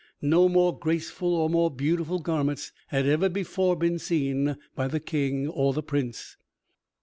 No more graceful or more beautiful garments had ever before been seen by the King or the Prince.